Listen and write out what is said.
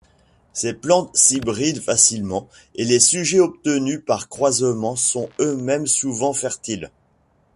Ces plantes s'hybrident facilement et les sujets obtenus par croisement sont eux-mêmes souvent fertiles.